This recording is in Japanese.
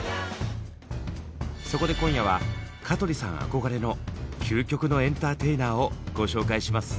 そこで今夜は香取さん憧れの究極のエンターテイナーをご紹介します。